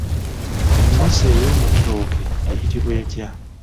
Emmese ey'omu ttooke eyitibwa etya?